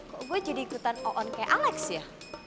kok gue jadi ikutan oon kayak alex ya